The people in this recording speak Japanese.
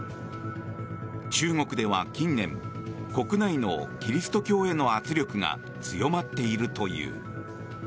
中国では近年国内のキリスト教への圧力が強まっているという。